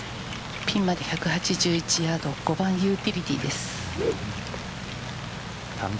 ピンまで１８１ヤード５番ユーティリティーです。